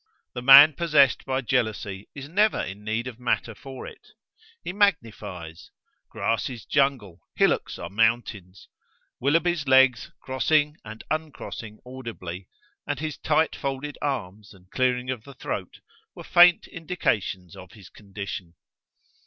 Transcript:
The man possessed by jealousy is never in need of matter for it: he magnifies; grass is jungle, hillocks are mountains. Willoughby's legs crossing and uncrossing audibly, and his tight folded arms and clearing of the throat, were faint indications of his condition.